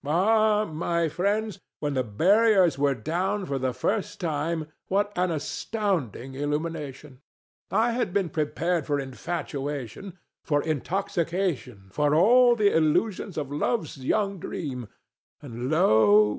Ah, my friends, when the barriers were down for the first time, what an astounding illumination! I had been prepared for infatuation, for intoxication, for all the illusions of love's young dream; and lo!